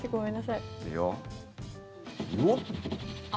いいよ。